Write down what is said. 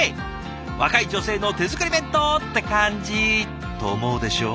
若い女性の手作り弁当って感じと思うでしょ？